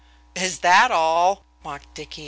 "Is that all?" mocked Dicky.